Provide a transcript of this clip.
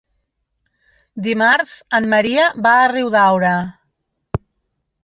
Dimarts en Maria va a Riudaura.